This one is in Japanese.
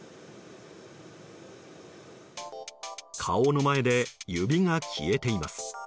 顔の前で指が消えています。